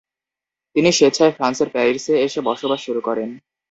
তিনি স্বেচ্ছায় ফ্রান্সের প্যারিসে এসে বসবাস শুরু করেন।